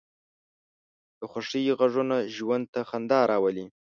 د خوښۍ غږونه ژوند ته خندا راولي